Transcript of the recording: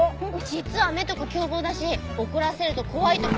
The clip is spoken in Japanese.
実は目とか凶暴だし怒らせると怖いとこもそっくり！